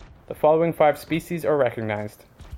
The following five species are recognized.